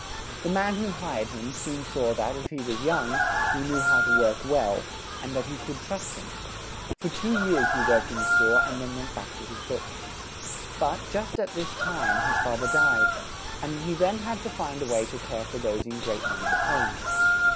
The man who hired him, soon saw that, if he was young, he knew how to work well, and that he could trust him; for two years he worked in the store and then went back to his books. But, just at this time, his fa ther died; and he then had to find a way to care for those in great need at home.